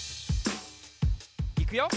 いくよ。